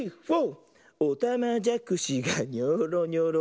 「おたまじゃくしがニョーロニョロ」